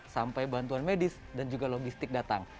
sampai bantuan medis dan juga logistik datang